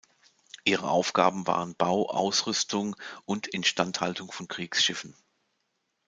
Ihre Aufgaben waren Bau, Ausrüstung und Instandhaltung von Kriegsschiffen.